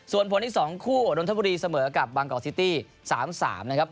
ส่วนผลที่สองคู่โดนทบีรรย์เสมอกับบางกองซิตี้สามนะครับ